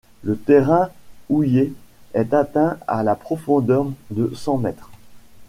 Le terrain houiller est atteint à la profondeur de cent mètres.